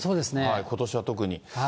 ことしは特に。